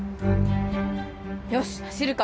よし、走るか。